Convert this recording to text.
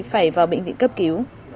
phải vào bệnh viện cấp cứu